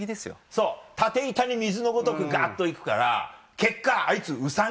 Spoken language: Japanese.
そう立て板に水のごとくガッと行くから結果あいつうさん